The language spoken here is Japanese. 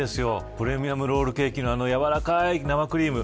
プレミアムロールケーキのあのやわらかい生クリーム。